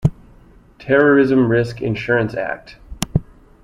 Terrorism Risk Insurance Act.